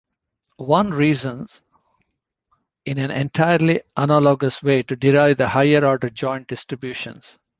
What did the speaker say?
One reasons in an entirely analogous way to derive the higher-order joint distributions.